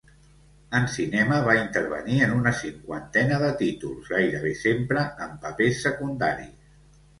En cinema va intervenir en una cinquantena de títols, gairebé sempre en papers secundaris.